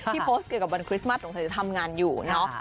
ที่โพสต์เกี่ยวกับวันคริสต์มัสหนูสามารถจะทำงานอยู่เนาะ